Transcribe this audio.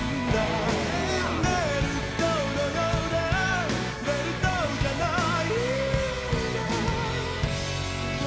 「ベルトのようでベルトじゃないんだ」